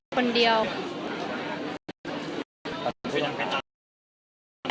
คนเดียว